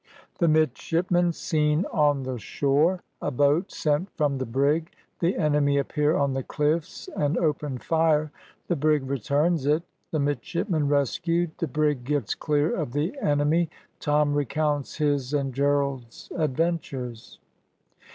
THE MIDSHIPMEN SEEN ON THE SHORE A BOAT SENT FROM THE BRIG THE ENEMY APPEAR ON THE CLIFFS AND OPEN FIRE THE BRIG RETURNS IT THE MIDSHIPMEN RESCUED THE BRIG GETS CLEAR OF THE ENEMY TOM RECOUNTS HIS AND GERALD'S ADVENTURES.